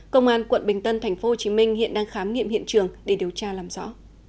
công an quận bình tân tp hcm hiện đang khám nghiệm hiện trường để điều tra làm rõ